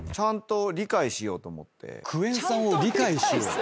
「クエン酸を理解しよう」？